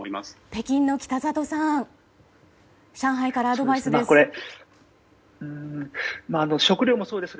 北京の北里さん上海からアドバイスです。